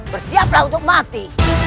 bersiaplah untuk mati